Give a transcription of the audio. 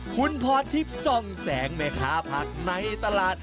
คุณพรทิพย์จ้องแสงแม่ค้าผักในตลาด